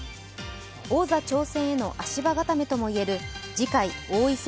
王座挑戦への足場固めともいえる次回王位戦